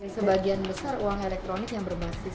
sebagian besar uang elektronik yang berbasis